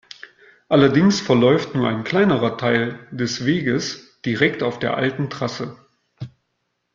Allerdings verläuft nur ein kleinerer Teil des Weges direkt auf der alten Trasse.